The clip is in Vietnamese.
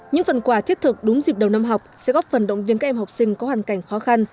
những phần quà thiết thực đúng dịp đầu năm học sẽ góp phần động viên các em học sinh có hoàn cảnh khó khăn